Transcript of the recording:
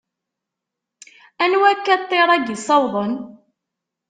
Anwa akka ṭṭir-agi ssawḍen?